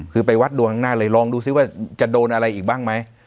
คือไปวัดดวงข้างหน้าเลยลองดูซิว่าจะโดนอะไรอีกบ้างไหม